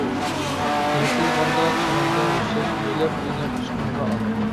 يىقىلغاندا چىمەنگە ھوشسىز، يۆلەپ مېنى قۇچىقىڭغا ئال.